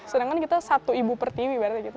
sedangkan kita satu ibu per tim ibaratnya gitu